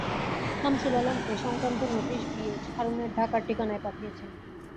সামছুল আলম এ সংক্রান্ত notice B H হারুনের ঢাকার ঠিকানায় পাঠিয়েছেন।